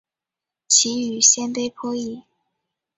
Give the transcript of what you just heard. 其语与鲜卑颇异。